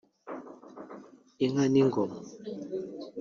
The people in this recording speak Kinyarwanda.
inka n’ingoma